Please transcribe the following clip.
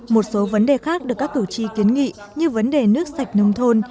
một số vấn đề khác được các cử tri kiến nghị như vấn đề nước sạch nông thôn